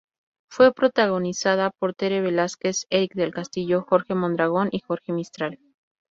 Fue protagonizada por Tere Velázquez, Eric del Castillo, Jorge Mondragón y Jorge Mistral.